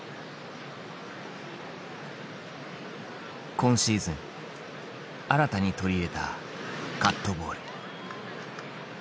今シーズン新たに取り入れたカットボール。